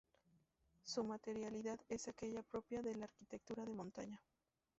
Su materialidad es aquella propia de la arquitectura de montaña.